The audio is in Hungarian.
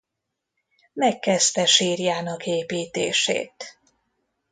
Megkezdte sírjának építését.